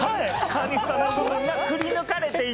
川西さんの部分がくりぬかれていて。